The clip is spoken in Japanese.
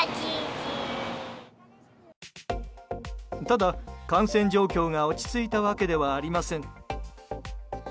ただ、感染状況が落ち着いたわけではありません。